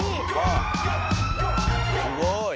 おすごい。